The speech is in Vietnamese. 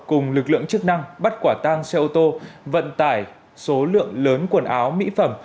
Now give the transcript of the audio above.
cùng lực lượng chức năng bắt quả tang xe ô tô vận tải số lượng lớn quần áo mỹ phẩm